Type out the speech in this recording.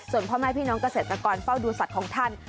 ส่วนพ่อแม่พี่น้องเกษตรกรเฝ้าดูสัตว์ของท่าน